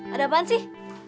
ada apaan sih